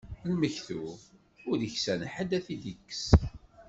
Lmektub, ur iksan ḥedd ad t-id-ikkes.